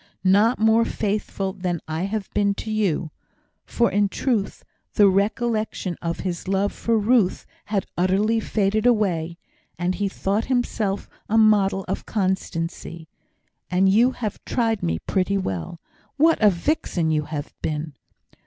"Not more faithful than I have been to you," for in truth, the recollection of his love for Ruth had utterly faded away, and he thought himself a model of constancy; "and you have tried me pretty well. What a vixen you have been!"